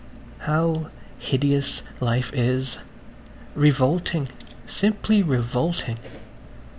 How hideous life is–revolting, simply revolting.